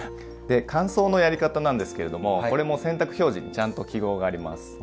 で乾燥のやり方なんですけれどもこれも洗濯表示にちゃんと記号があります。